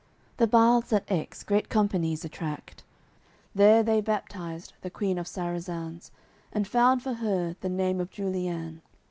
The baths at Aix great companies attract; There they baptised the Queen of Sarazands, And found for her the name of Juliane.